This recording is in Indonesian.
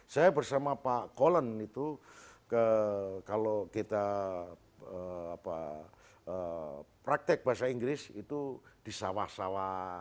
saya bersama pak kolen itu kalau kita praktek bahasa inggris itu disawah sawah